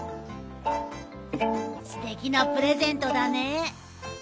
すてきなプレゼントだね。